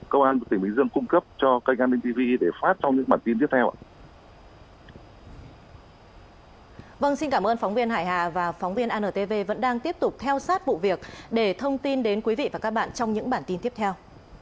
vâng xin cảm ơn phóng viên hải hà và phóng viên antv vẫn đang tiếp tục theo sát vụ việc để thông tin đến quý vị và các bạn trong những bản tin tiếp theo